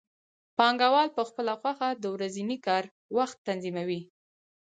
پانګوال په خپله خوښه د ورځني کار وخت تنظیموي